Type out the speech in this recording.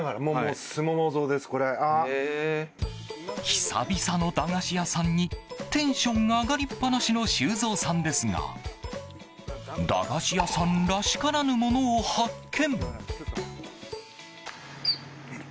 久々の駄菓子屋さんにテンション上がりっぱなしの修造さんですが駄菓子屋さんらしからぬものを発見。